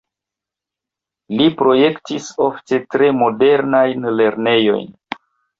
Li projektis ofte tre modernajn lernejojn.